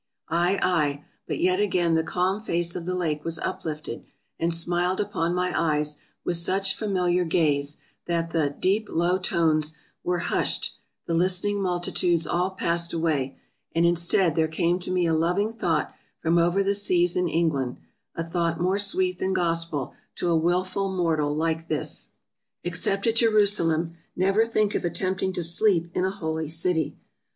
— Ay, ay, but yet again the calm face of the lake was uplifted, and smiled upon my eyes with such familiar gaze that the " deep low tones " were hushed — the listening multitudes all passed away, and instead there came to me a loving thought from over the seas in England — a thought more sweet than Gospel to a willful mortal like this. Except at Jerusalem, never think of attempting to sleep in a "holy city."